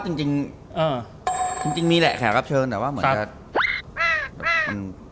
จริงจริงอ่าจริงจริงมีแหละแขกรับเชิญแต่ว่าเหมือนจะอ่าอืม